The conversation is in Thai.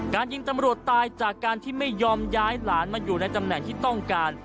ยิงตำรวจตายจากการที่ไม่ยอมย้ายหลานมาอยู่ในตำแหน่งที่ต้องการ